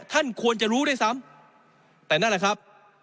ท่านควรจะรู้ด้วยซ้ำแต่นั่นแหละครับ